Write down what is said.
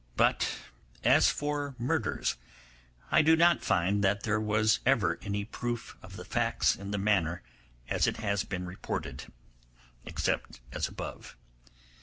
But as for murders, I do not find that there was ever any proof of the facts in the manner as it has been reported, except as above.